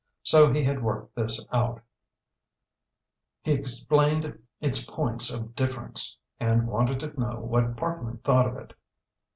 So he had worked this out; he explained its points of difference, and wanted to know what Parkman thought of it.